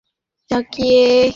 শুধু মাথা ঝাঁকিয়ে উওর দে।